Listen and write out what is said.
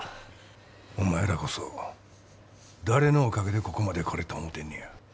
お前らこそ誰のおかげでここまで来れた思うてんねや。